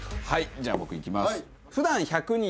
じゃあ僕いきます。